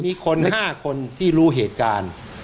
มีคน๕คนที่รู้เหตุการณ์